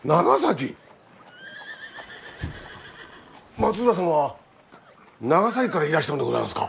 松浦様は長崎からいらしたんでございますか？